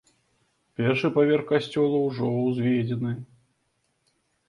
Першы паверх касцёла ўжо ўзведзены.